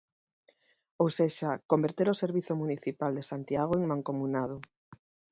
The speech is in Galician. Ou sexa, converter o servizo municipal de Santiago en mancomunado.